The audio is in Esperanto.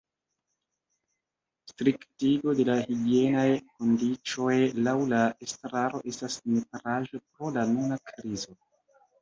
Striktigo de la higienaj kondiĉoj laŭ la estraro estas nepraĵo pro la nuna krizo.